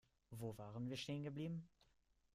Wo waren wir stehen geblieben?